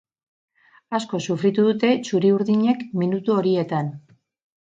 Asko sufritu dute txuri-urdinek minutu horietan.